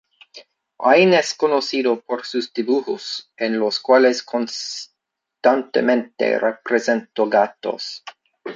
Wain es conocido por sus dibujos, en los cuales constantemente representó gatos.